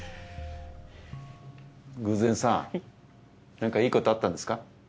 なんかいいことあったんですか？